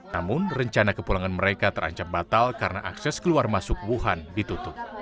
namun rencana kepulangan mereka terancam batal karena akses keluar masuk wuhan ditutup